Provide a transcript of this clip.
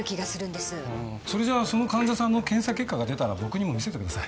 それじゃあその患者さんの検査結果が出たら僕にも見せてください。